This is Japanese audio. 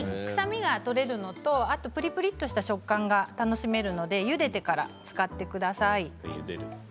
臭みが取れるのとあとプリプリっとした食感が楽しめるのでゆでてから使ってください。